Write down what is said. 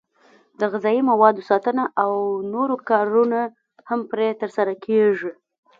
د غذایي موادو ساتنه او نور کارونه هم پرې ترسره کېږي.